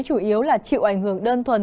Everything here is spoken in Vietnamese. chủ yếu là chịu ảnh hưởng đơn thuần